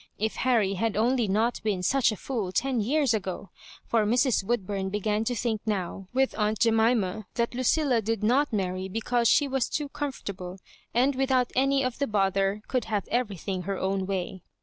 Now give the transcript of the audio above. If Harry had only not been such a fool ten years ago ! for Mrs. Woodbiirn began to think now with aunt Jemima, that Lucilla did not marry because she was too com fortable, and, without any of the bother, could have everything her own way.